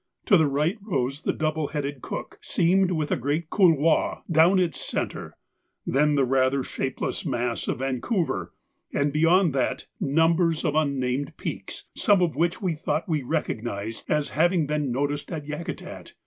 To the right rose the double headed Cook, seamed with a great couloir down its centre, then the rather shapeless mass of Vancouver, and beyond that numbers of unnamed peaks, some of which we thought we recognised as having been noticed at Yakutat.